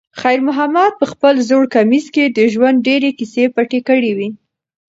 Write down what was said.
خیر محمد په خپل زوړ کمیس کې د ژوند ډېرې کیسې پټې کړې وې.